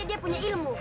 si mana penjahat itu yo